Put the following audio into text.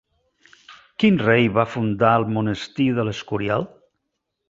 Quin rei va fundar el monestir de l'Escorial?